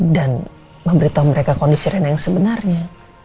dan memberitahu mereka kondisi reina yang sebenarnya